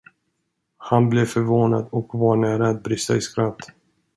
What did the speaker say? Han blev förvånad och var nära att brista i skratt.